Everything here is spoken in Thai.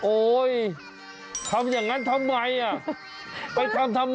โอ้ยทำอย่างนั้นทำไมไปทำทำไม